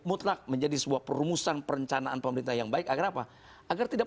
mutlak menjadi sebuah perumusan perencanaan pemerintah yang baik agar apa agar tidak